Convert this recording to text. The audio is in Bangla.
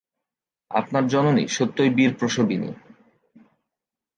আপনার জননী সত্যই বীরপ্রসবিনী।